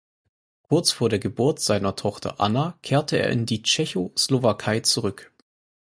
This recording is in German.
Kurz vor der Geburt seiner Tochter Anna kehrte er in die Tschechoslowakei zurück.